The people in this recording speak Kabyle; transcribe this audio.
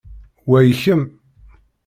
Wa i kemm.